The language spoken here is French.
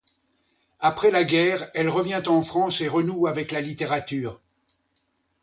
Après la guerre, elle revient en France, et renoue avec la littérature.